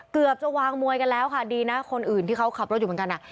เกือบจะวางมวยกันแล้วค่ะดีนะคนอื่นที่เขาขับรถอยู่เหมือนกันอ่ะ